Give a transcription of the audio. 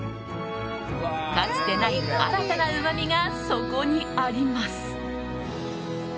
かつてない新たなうまみがそこにあります。